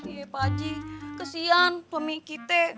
iya pak haji kesian pemi kita